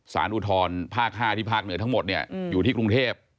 สารอุทรภาค๕ที่ภาคเหนือทั้งหมดอยู่ที่กรุงเทพฯ